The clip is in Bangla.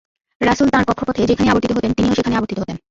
রাসূল তাঁর কক্ষপথে যেখানেই আবর্তিত হতেন তিনিও সেখানেই আবর্তিত হতেন।